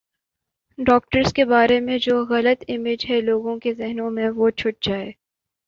doctors کے بارے میں جو غلط امیج ہے لوگوں کے ذہنوں میں وہ چھٹ جائے